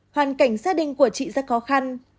hoàn cảnh gia đình của chị rất khó khăn